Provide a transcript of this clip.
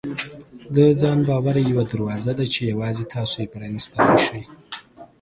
د ځان باور یوه دروازه ده چې یوازې تاسو یې پرانیستلی شئ.